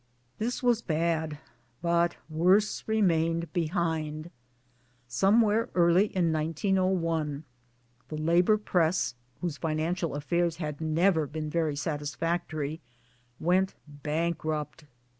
This was bad ; but worse remained behind. Somewhere early in 1901 the Labour Press whose financial affairs had never been very satisfactory went bankrupt.!